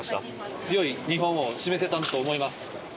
強い日本を示せたと思います。